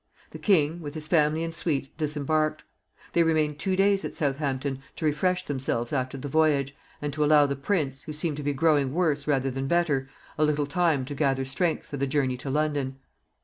The king, with his family and suite, disembarked. They remained two days at Southampton to refresh themselves after the voyage, and to allow the prince, who seemed to be growing worse rather than better, a little time to gather strength for the journey to London.